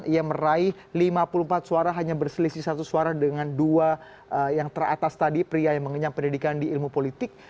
ia meraih lima puluh empat suara hanya berselisih satu suara dengan dua yang teratas tadi pria yang mengenyam pendidikan di ilmu politik